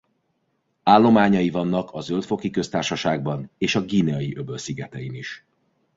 Állományai vannak a Zöld-foki Köztársaságban és a Guineai-öböl szigetein is.